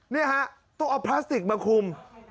นี่ฮะต้องเอาพลาสติกมาคุม